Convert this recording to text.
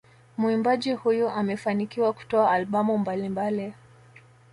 Muimbaji huyu amefanikiwa kutoa albamu mbalimbali